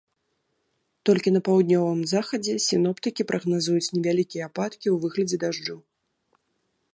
Толькі на паўднёвым захадзе сіноптыкі прагназуюць невялікія ападкі ў выглядзе дажджу.